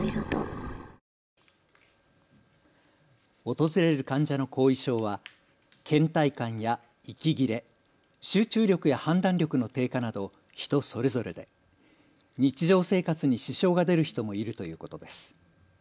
訪れる患者の後遺症はけん怠感や息切れ、集中力や判断力の低下など人それぞれで日常生活に支障が出る人もいるということです。